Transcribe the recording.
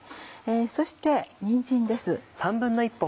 そしてにんじんです。